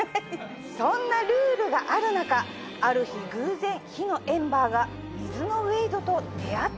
そんなルールがある中ある日偶然火のエンバーが水のウェイドと出会ってしまいます。